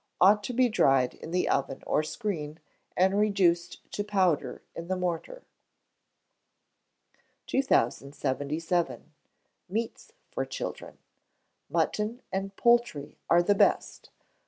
ought to be dried in the oven or screen, and reduced to powder in the mortar. 2077. Meats for Children. Mutton and poultry are the best.